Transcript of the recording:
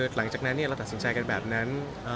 หลังจากนั้นเราตัดสินใจกันแบบนั้น